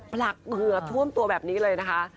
ผลักเหงื่อท่วมตัวแบบนี้เลยนะคะ